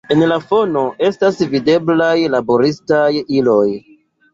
En la fono estas videblaj laboristaj iloj.